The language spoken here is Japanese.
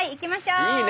いいね！